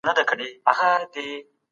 څوک غواړي ګمرک په بشپړ ډول کنټرول کړي؟